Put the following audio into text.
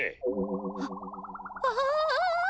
あっああ。